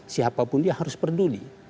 siapapun dia harus peduli